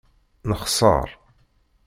Nexṣeṛ.